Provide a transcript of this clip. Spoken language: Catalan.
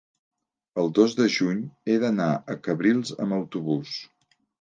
el dos de juny he d'anar a Cabrils amb autobús.